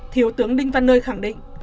thiếu tướng đinh văn nơi khẳng định